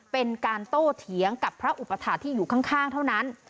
เป็นการโตเถียงกับพระอุปถาคที่อยู่ข้างเท่านั้น